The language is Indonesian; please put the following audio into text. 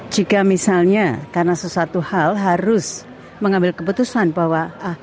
jika misalnya karena sesuatu hal harus mengambil keputusan bahwa